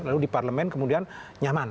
lalu di parlemen kemudian nyaman